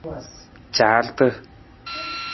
Caarata.